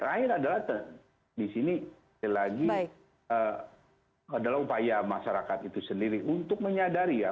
terakhir adalah di sini sekali lagi adalah upaya masyarakat itu sendiri untuk menyadari ya